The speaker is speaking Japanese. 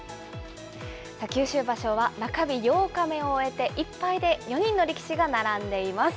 九州場所は中日８日目を終えて１敗で４人の力士が並んでいます。